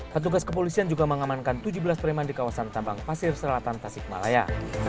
petugas kepolisian juga mengamankan tujuh belas preman di kawasan tambang pasir selatan tasikmalaya